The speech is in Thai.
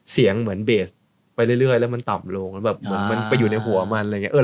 เสียงเหมือนเบสไปเรื่อยแล้วมันต่ำลงแล้วแบบเหมือนมันไปอยู่ในหัวมันอะไรอย่างนี้